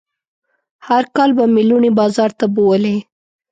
هر کال به مې لوڼې بازار ته بوولې.